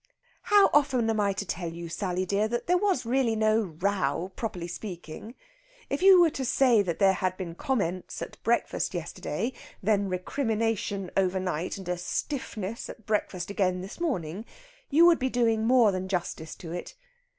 "How often am I to tell you, Sally dear, that there was really no row, property speaking. If you were to say there had been comments at breakfast yesterday, then recrimination overnight, and a stiffness at breakfast again this morning, you would be doing more than justice to it.